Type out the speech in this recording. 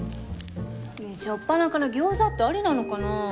ねえ初っぱなから餃子ってありなのかなあ？